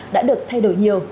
đã được thay đổi nhiều